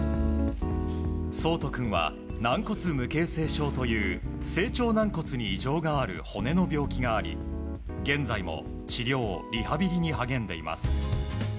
想仁君は軟骨無形成症という成長軟骨に異常がある骨の病気があり現在も治療・リハビリに励んでいます。